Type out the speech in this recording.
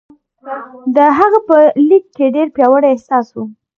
د هغه په لیک کې ډېر پیاوړی احساس و